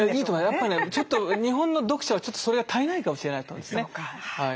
やっぱりね日本の読者はちょっとそれが足りないかもしれないと思うんですね。